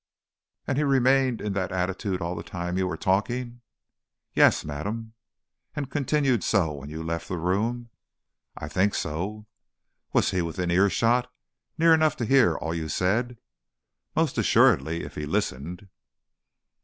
"And he remained in that attitude all the time you were talking?" "Yes, madam." "And continued so when you left the room?" "I think so." "Was he within earshot? Near enough to hear all you said?" "Most assuredly, if he listened."